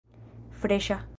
freŝa